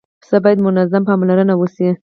پسه باید منظمه پاملرنه وشي.